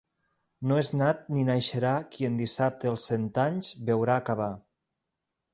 No és nat ni naixerà qui en dissabte els cent anys veurà acabar.